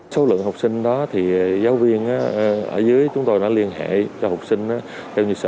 số lượng học sinh đó thì giáo viên ở dưới chúng tôi đã liên hệ cho học sinh theo nghị sĩ